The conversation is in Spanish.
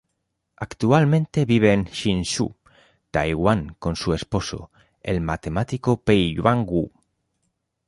Actualmente, vive en Hsinchu, Taiwán con su esposo, el matemático Pei-yuan Wu.